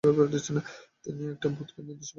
তিনি একটা ভূতকে নির্দিষ্ট পরিমাণ শক্তি দিলেন।